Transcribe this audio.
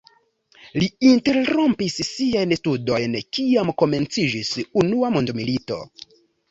Li interrompis siajn studojn kiam komenciĝis Unua mondmilito.